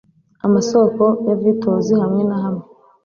Amasoko ya Vittles hamwe na hamwe